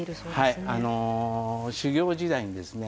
修業時代にですね